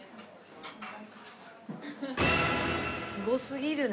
すごすぎるね。